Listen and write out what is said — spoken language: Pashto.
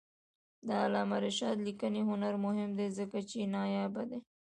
د علامه رشاد لیکنی هنر مهم دی ځکه چې نایابه دی.